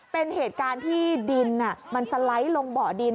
เป็นเหตุการณ์ที่ดินมันสไลด์ลงเบาะดิน